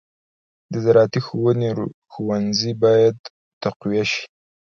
د زراعتي ښوونې ښوونځي باید تقویه شي.